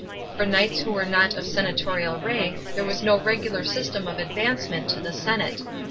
For knights who were not of senatorial rank there was no regular system of advancement to the senate.